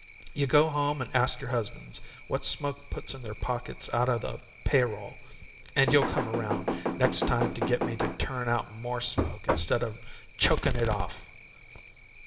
You go home and ask your husbands what smoke puts in their pockets out o' the pay roll and you'll come around next time to get me to turn out more smoke instead o' chokin' it off!"